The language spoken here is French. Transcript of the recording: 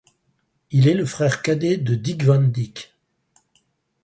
Il est le frère cadet de Dick Van Dyke.